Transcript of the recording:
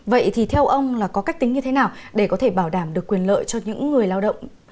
vậy thì theo ông là có cách tính như thế nào để có thể bảo đảm được quyền lợi cho những người lao động